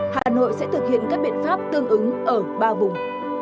hà nội sẽ thực hiện các biện pháp tương ứng ở ba vùng